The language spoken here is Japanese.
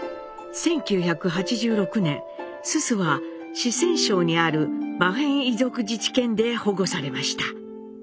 １９８６年蘇蘇は四川省にある「馬辺イ族自治県」で保護されました。